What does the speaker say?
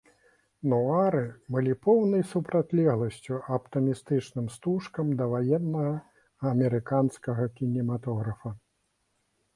Нуары былі поўнай супрацьлегласцю аптымістычным стужкам даваеннага амерыканскага кінематографа.